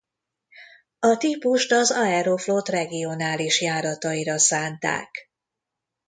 A típust az Aeroflot regionális járataira szánták.